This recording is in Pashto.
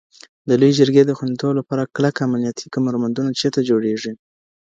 د لویې جرګي د خوندیتوب لپاره کلک امنیتي کمربندونه چېرته جوړیږي؟